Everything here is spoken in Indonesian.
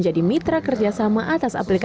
yang merupakan kerjasama dengan bursa efek juga